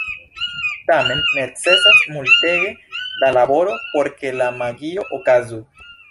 Tamen, necesas multege da laboro por ke la magio okazu.